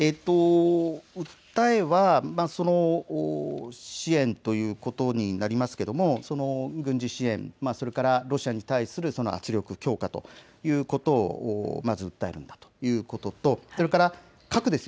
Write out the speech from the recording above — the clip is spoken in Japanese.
訴えは支援ということになりますけれども、軍事支援、それからロシアに対する圧力強化ということをまず訴えるんだということとそれから核です。